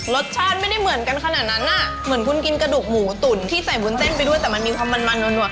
รสชาติไม่ได้เหมือนกันขนาดนั้นอ่ะเหมือนคุณกินกระดูกหมูตุ๋นที่ใส่วุ้นเส้นไปด้วยแต่มันมีความมันมันหนวด